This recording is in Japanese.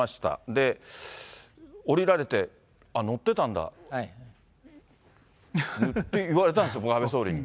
で、降りられて、乗ってたんだって言われたんですよ、安倍総理に。